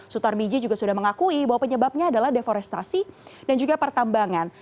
sutar miji juga sudah mengakui bahwa penyebabnya adalah deforestasi dan pertambangan